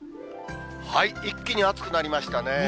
一気に暑くなりましたね。